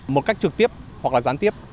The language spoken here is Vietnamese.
một cách trực tiếp hoặc là gián tiếp